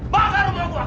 bawa ke rumah gua